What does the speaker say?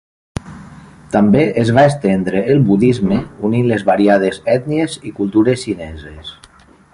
També es va estendre el Budisme unint les variades ètnies i cultures xineses.